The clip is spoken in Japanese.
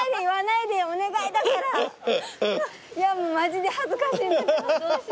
いやマジで恥ずかしいんだけどどうしよう。